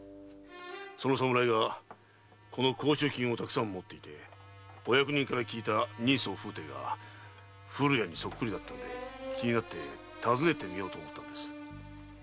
その侍がこの甲州金をたくさん持っていてお役人から聞いた人相風体が古谷にそっくりだったんで気になって訪ねてみようと思ったんです。